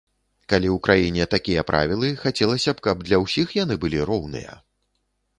Калі ў краіне такія правілы, хацелася б, каб для ўсіх яны былі роўныя.